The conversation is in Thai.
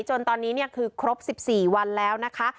จนตอนนี้คือครบ๑๔วันแล้วนะคะ